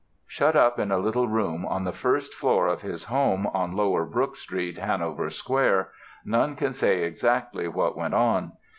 Shut up in a little room on the first floor of his home on Lower Brook Street, Hanover Square, none can say exactly what went on.